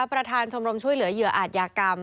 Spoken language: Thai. ประธานชมรมช่วยเหลือเหยื่ออาจยากรรม